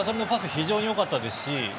非常によかったですね。